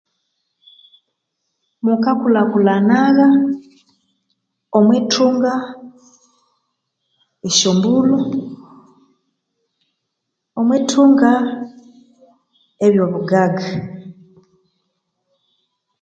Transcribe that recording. Mukakulhakulhana omwithunga esyo mbulho, omwithunga ebyobugaga.